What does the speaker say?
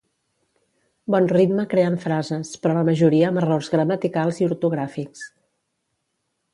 Bon ritme creant frases però la majoria amb errors gramaticals i ortogràfics